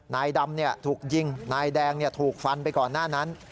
นายดำถูกยิงนายแดงถูกฟันไปก่อนหน้านั้น